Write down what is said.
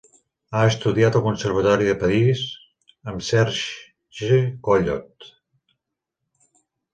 Ha estudiat al Conservatori de París amb Serge Collot.